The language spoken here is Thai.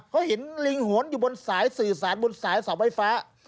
เขาเห็นลิงหวนอยู่บนสายสื่อสารบนสายเสาไฟฟ้า